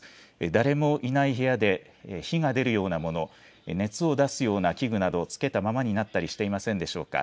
誰もいない部屋で火が出るようなもの、熱を出すような器具などをつけたままになったりしていませんでしょうか。